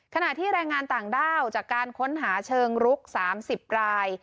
ขณะที่แรงงานต่างด้าวจากการค้นหาเชิงรุก๓๐ราย